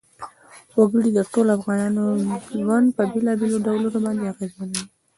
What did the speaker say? وګړي د ټولو افغانانو ژوند په بېلابېلو ډولونو باندې اغېزمنوي.